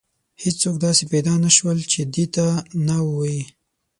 هیڅوک داسې پیدا نه شول چې دې ته نه ووایي.